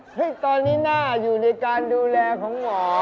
ตอนนี้หน้าอยู่ในการดูแลของหมอ